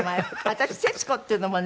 私徹子っていうのもね